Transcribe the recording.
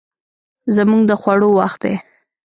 زموږ د خوړو وخت دی